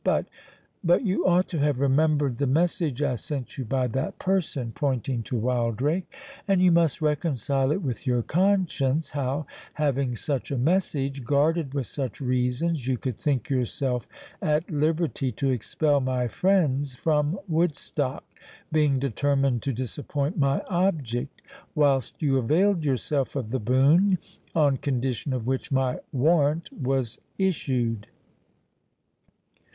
But—but you ought to have remembered the message I sent you by that person" (pointing to Wildrake;) "and you must reconcile it with your conscience, how, having such a message, guarded with such reasons, you could think yourself at liberty to expel my friends from Woodstock, being determined to disappoint my object, whilst you availed yourself of the boon, on condition of which my warrant was issued."